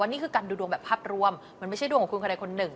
ว่านี่คือการดูดวงแบบภาพรวมไม่ใช่วีดีลองของคุณคำเนินคนหนึ่ง